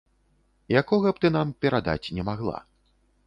Якога б ты нам перадаць не магла.